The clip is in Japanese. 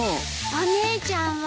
お姉ちゃんは。